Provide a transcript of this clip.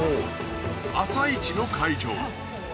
朝市の会場